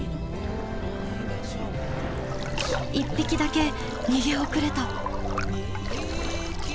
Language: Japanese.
一匹だけ逃げ遅れた！